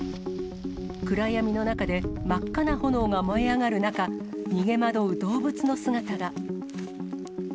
暗闇の中で、真っ赤な炎が燃え上がる中、逃げ惑う動物の姿が。